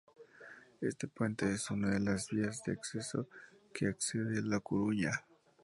Este puente es una de las vías de acceso que accede a la Coruña.